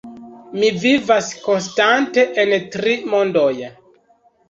Mi vivas konstante en tri mondoj.